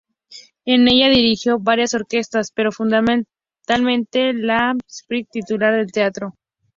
En ella dirigió varias orquestas, pero fundamentalmente la "Staatskapelle", titular del teatro.